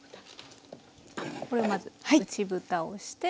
これをまず内ぶたをして。